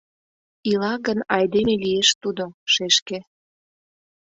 Ила гын, айдеме лиеш тудо, шешке!